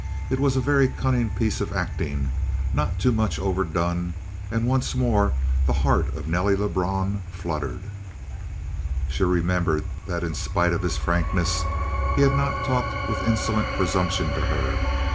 It was a very cunning piece of acting, not too much overdone, and once more the heart of Nelly Lebrun fluttered. She remembered that in spite of his frankness he had not talked with insolent presumption to her.